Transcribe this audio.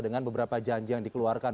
dengan beberapa janji yang dikeluarkan